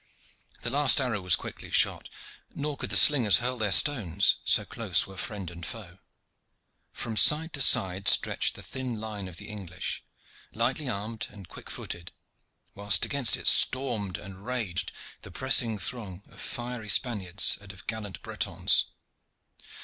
The last arrow was quickly shot, nor could the slingers hurl their stones, so close were friend and foe. From side to side stretched the thin line of the English, lightly armed and quick footed, while against it stormed and raged the pressing throng of fiery Spaniards and of gallant Bretons.